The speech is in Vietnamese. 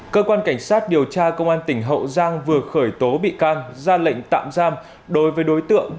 cơ quan cảnh sát điều tra công an tỉnh hậu giang vừa khởi tố bị can ra lệnh tạm giam đối với đối tượng